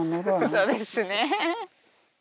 そうですね。